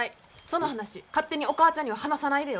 その話勝手にお母ちゃんには話さないでよ。